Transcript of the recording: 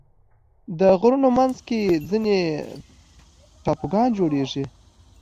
د غرونو منځ کې ځینې ټاپوګان جوړېږي.